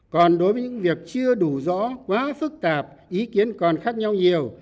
còn đối với những việc chưa đủ rõ quá phức tạp ý kiến còn khác nhau nhiều